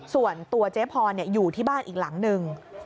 ส่วนตัวเจ๊พรอยู่ที่บ้านอีกหลังหนึ่ง